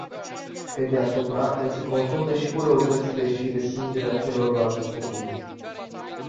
Pe deasupra, el se confruntă și cu răutățile și respingerea celorlalți copii.